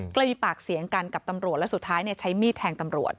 ก็เลยมีปากเสียงกันกับตำรวจและสุดท้ายใช้มีดแทงตำรวจ